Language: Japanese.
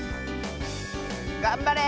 がんばれ！